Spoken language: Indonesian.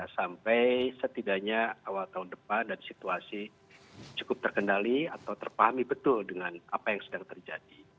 sampai setidaknya awal tahun depan dan situasi cukup terkendali atau terpahami betul dengan apa yang sedang terjadi